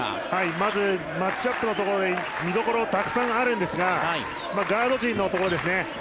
まずマッチアップのところで見どころ、たくさんあるんですがガード人のところですね。